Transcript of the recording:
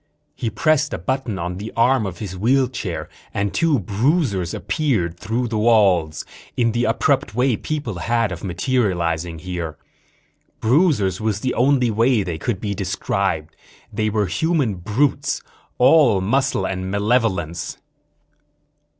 He pressed a button on the arm of his wheelchair and two bruisers appeared through the walls, in the abrupt way people had of materializing here. Bruisers was the only way they could be described. They were human brutes, all muscle and malevolence.